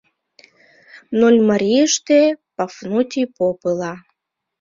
— Нольмарийыште Пафнутий поп ила.